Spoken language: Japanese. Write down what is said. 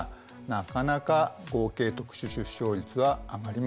なかなか合計特殊出生率は上がりません。